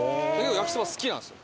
焼きそば好きなんですよ。